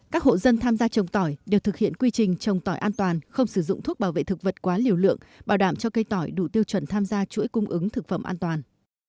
các hộ dân tham gia trồng tỏi đều thực hiện quy trình trồng tỏi an toàn không sử dụng thuốc bảo vệ thực vật quá liều lượng bảo đảm cho cây tỏi đủ tiêu chuẩn tham gia chuỗi cung ứng thực phẩm an toàn